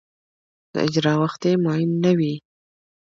د اجرا وخت یې معین نه وي.